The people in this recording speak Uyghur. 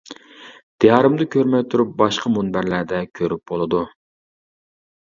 دىيارىمدا كۆرمەي تۇرۇپ باشقا مۇنبەرلەردە كۆرۈپ بولىدۇ.